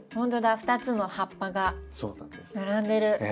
２つの葉っぱが並んでる。